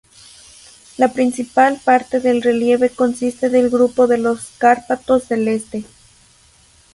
La principal parte del relieve consiste del grupo de los Cárpatos del este.